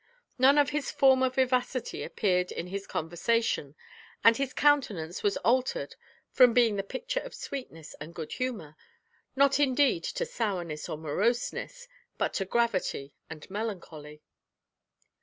None of his former vivacity appeared in his conversation; and his countenance was altered from being the picture of sweetness and good humour, not indeed to sourness or moroseness, but to gravity and melancholy.